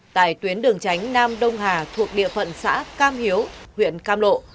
tại tuyến đường tránh nam đông hà thuộc địa phận xã cam hiếu huyện cam lộ